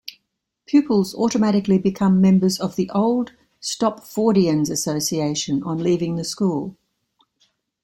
Pupils automatically become members of the Old Stopfordians Association on leaving the school.